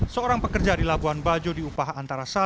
seorang pekerja di labuan bajo diupah antara satu